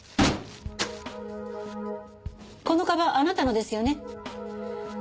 このかばんあなたのですよね？